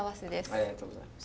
ありがとうございます。